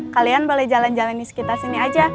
kalian boleh jalan jalan di sekitar sini aja